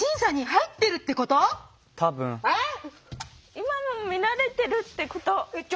今の見られてるってこと？